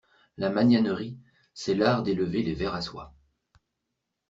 La magnanerie, c'est l'art d'élever des vers à soie.